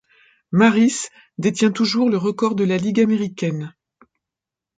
Marris détient toujours le record de la ligue américaine.